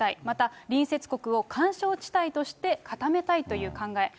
また隣接国を緩衝地帯として固めたいという考え。